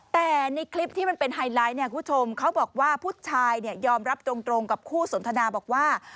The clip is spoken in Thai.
แต่ในคลิปที่มันเป็นไฮไลท์เนี่ยคุณผู้ชมเขาบอกว่าผู้ชายเนี่ยยอมรับตรงกับคู่สนทนาบอกว่า